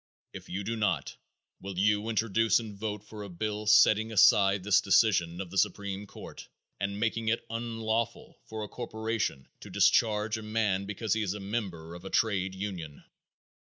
If you do not, will you introduce and vote for a bill setting aside this decision of the supreme court and making it unlawful for a corporation to discharge a man because he is a member of a trade union?